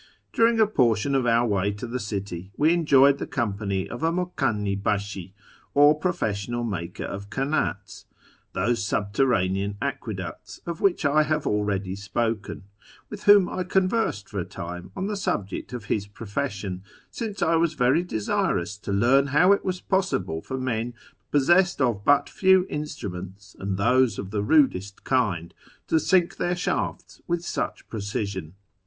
During a portion of our way to the city we enjoyed the company of a mukanni hdsM, or professional maker of kandts — those subterranean aqueducts of which I have already spoken — with whom I conversed for a time on the subject of his profession, since I was very desirous to learn how it was possible for men possessed of but few instruments, and those of the rudest kind, to sink their shafts with such precision.